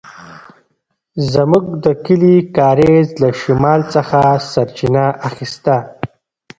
زموږ د کلي کاریز له شمال څخه سرچينه اخيسته.